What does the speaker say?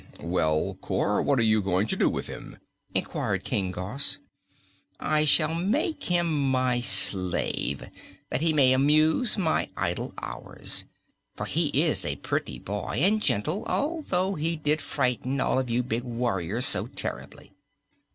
"Well, Cor, what are you going to do with him?" inquired King Gos. "I shall make him my slave, that he may amuse my idle hours. For he is a pretty boy, and gentle, although he did frighten all of you big warriors so terribly."